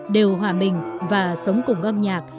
đủ hòa bình và sống cùng âm nhạc